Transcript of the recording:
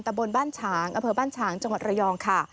บนบ้านฉางอำเภอบ้านฉางจังหวัดระยองค่ะ